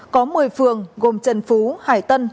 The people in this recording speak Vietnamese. có một mươi phường gồm trần phú hải tân